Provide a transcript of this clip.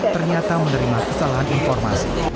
ternyata menerima kesalahan informasi